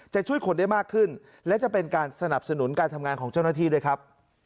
จะช่วยคนได้มากขึ้นและจะเป็นการสนับสนุนการทำงานของเจ้าหน้าที่ด้วยครับ